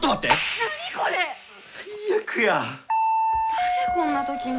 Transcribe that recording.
誰こんな時に。